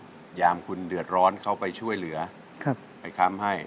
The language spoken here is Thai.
อย่าให้อาหารคุณเดือดร้อนเขาไปช่วยเหลือไปค้ำให้